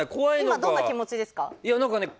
今どんな気持ちですか？